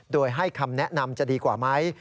โดยให้คำแนะนำจะดีกว่าไหม